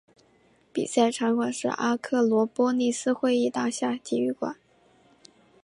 比赛场馆是阿克罗波利斯会议大厦体育馆。